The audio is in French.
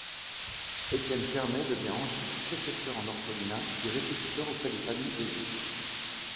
Étienne Permet devient ensuite précepteur en orphelinat, puis répétiteur auprès de familles aisées.